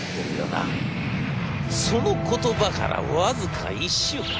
その言葉から僅か１週間。